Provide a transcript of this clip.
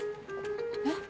えっ？